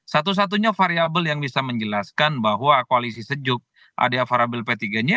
satu satunya variabel yang bisa menjelaskan bahwa koalisi sejuk ada variabel p tiga nya